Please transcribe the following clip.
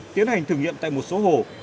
tiến hành thử nghiệm tại một số hồ